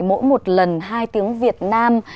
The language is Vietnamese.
mỗi một lần hai tiếng việt nam